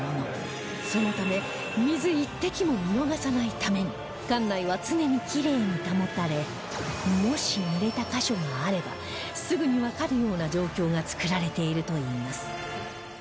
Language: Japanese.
そのため水一滴も見逃さないために艦内は常にきれいに保たれもしぬれた箇所があればすぐにわかるような状況が作られているといいます